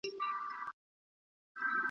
ګل سرخ ته تر مزاره چي رانه سې .